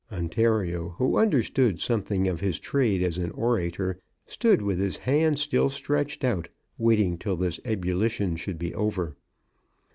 Ontario, who understood something of his trade as an orator, stood with his hand still stretched out, waiting till this ebullition should be over.